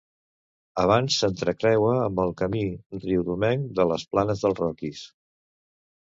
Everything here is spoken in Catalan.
Abans s'entrecreua amb el camí riudomenc de les Planes del Roquís.